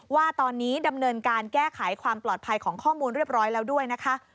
ว่าตอนนี้ดำเนินการแก้ไขความปลอดภัยของข้อมูลเรียบร้อยแล้วด้วยนะคะ